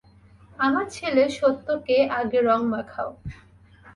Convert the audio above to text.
আমার ছেলে সত্যকে আগে রং মাখাও।